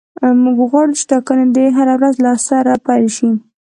موږ غواړو چې ټاکنې دې هره ورځ له سره پیل شي.